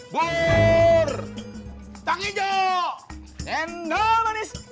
burr tang hijau tendal manis